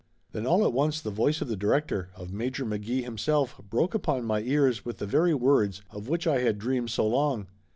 Then all at once the voice of the director, of Major McGee himself, broke upon my ears with the very words of which I had dreamed so long.